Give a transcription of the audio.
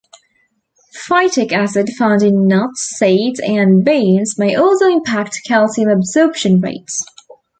Phytic acid found in nuts, seeds, and beans may also impact calcium absorption rates.